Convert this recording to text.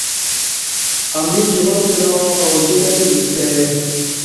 امنی جوار کنا اوجک الی بستہ ائی